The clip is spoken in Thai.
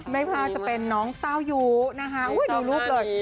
ไม่ว่าจะเป็นน้องเต้ายูนะคะดูรูปเลย